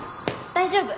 大丈夫。